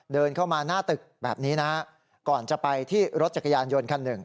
เดินเข้ามาหน้าตึกแบบนี้นะฮะก่อนจะไปที่รถจักรยานยนต์คันหนึ่ง